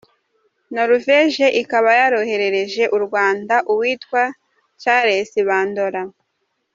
Norvege ikaba yaroherereje u Rwanda uwitwa Charles Bandora.